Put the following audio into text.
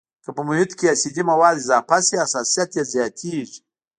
که په محیط کې اسیدي مواد اضافه شي حساسیت یې زیاتیږي.